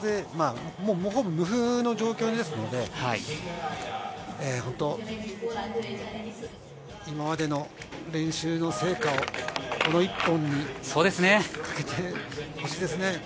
もうほぼ無風の状況ですので、今までの練習の成果をこの１本にかけてほしいですね。